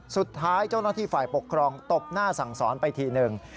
สุดท้ายเจ้าหน้าที่ฝ่ายปกครองตบหน้าสั่งสอนไปทีหนึ่ง